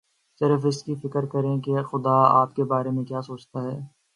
صرف اس کی فکر کریں کہ خدا آپ کے بارے میں کیا سوچتا ہے۔